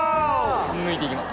抜いていきます。